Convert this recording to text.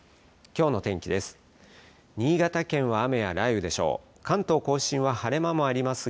きょうの天気です。